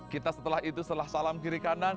kita setelah itu setelah salam kiri kanan